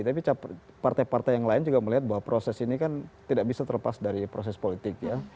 tapi partai partai yang lain juga melihat bahwa proses ini kan tidak bisa terlepas dari proses politik ya